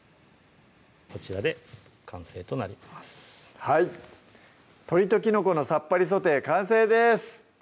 こちらで完成となります「鶏ときのこのさっぱりソテー」完成です